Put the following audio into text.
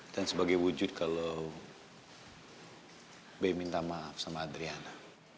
dan sebagai wujud kalau be minta maaf sama adriana